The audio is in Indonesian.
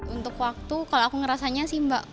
untuk waktu kalau aku ngerasanya sih mbak